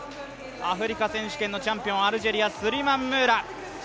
アフリカ選手権のチャンピオンアルジェリアのスリマン・ルーラ。